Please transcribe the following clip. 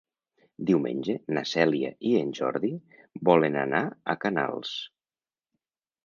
Diumenge na Cèlia i en Jordi volen anar a Canals.